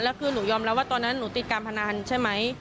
แล้วคือหนูยอมรับว่าตอนนั้นหนูติดการพนันใช่ไหม